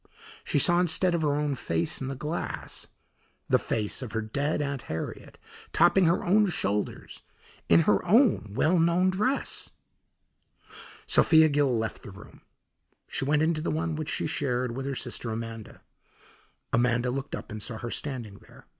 She saw instead of her own face in the glass, the face of her dead Aunt Harriet, topping her own shoulders in her own well known dress! Sophia Gill left the room. She went into the one which she shared with her sister Amanda. Amanda looked up and saw her standing there.